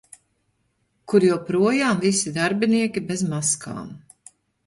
Kur joprojām visi darbinieki bez maskām.